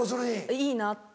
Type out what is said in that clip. いいなって。